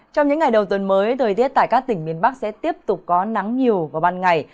trong những ngày đầu tuần mới thời tiết tại các tỉnh miền bắc sẽ tiếp tục có nắng nhiều vào ban ngày